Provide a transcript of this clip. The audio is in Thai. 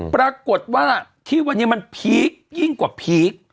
ปรากฏว่าที่วันนี้มันพีคยิ่งกว่าพีค